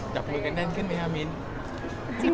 จับมือกันแน่นขึ้นไหมครับมิ้น